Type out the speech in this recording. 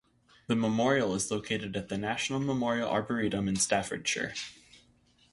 The memorial is located at the National Memorial Arboretum in Staffordshire.